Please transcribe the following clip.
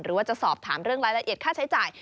หรือว่าจะสอบถามเรื่องรายละเอียดค่าใช้จ่าย